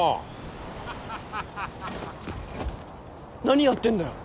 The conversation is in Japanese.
何やってんだよ。